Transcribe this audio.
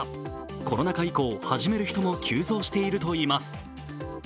コロナ禍以降、始める人も急増しているといいます。